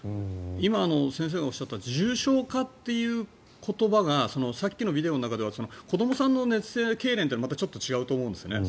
今、先生がおっしゃった重症化という言葉がさっきのビデオの中では子どもさんの熱性けいれんとはまたちょっと違うと思うんですね。